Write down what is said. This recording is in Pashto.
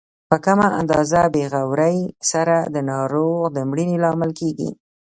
په کمه اندازه بې غورۍ سره د ناروغ د مړینې لامل کیږي.